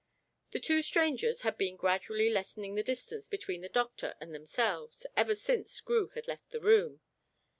The two strangers had been gradually lessening the distance between the doctor and themselves, ever since Screw had left the room.